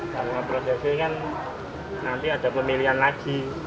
karena prosesnya kan nanti ada pemilihan lagi